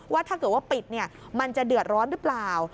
ว่าถ้าเกิดว่าปิดมันจะเดือดร้อนหรือเปล่า